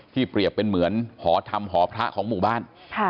เปรียบเป็นเหมือนหอธรรมหอพระของหมู่บ้าน